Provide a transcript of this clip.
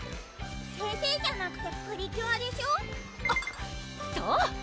先生じゃなくてぷりきゅあでしょあっそう！